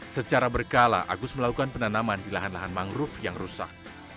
secara berkala agus melakukan penanaman di lahan lahan mangrove yang rusak